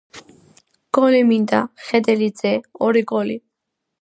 "გოლი მინდა, ხედელიძე, ორი გოლი''